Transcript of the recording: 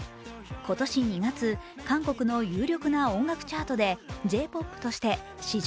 今年２月、韓国の有力な音楽チャートでＪ‐ＰＯＰとして史上